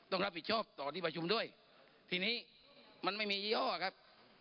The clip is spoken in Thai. ต้องรับผิดชอบต่อที่ประชุมด้วยทีนี้มันไม่มียี่ห้อครับ